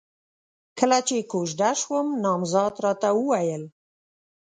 کله چې کوژده شوم، نامزد راته وويل: